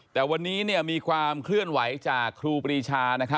แต่วันนี้มีความเคลื่อนไหวจากครูปรีชา